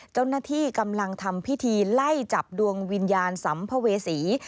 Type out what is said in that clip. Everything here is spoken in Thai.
เจ้าหน้าที่กำลังทำพิธีไล่จับดวงวิญญาณสัมภเวษี